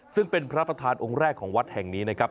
ซึ่งเป็นพระประธานองค์แรกของวัดแห่งนี้นะครับ